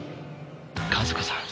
和子さん。